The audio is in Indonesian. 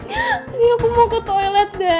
ani aku mau ke toilet dad